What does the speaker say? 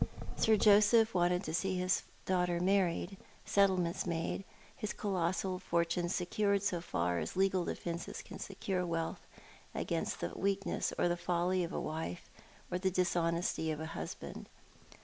Sir Joseph wanted to see his daughter married, settlements made, his colossal fortune secured so far as legal defences can secure wealth against the weakness or the folly of a wife or the dis honesty of a husband.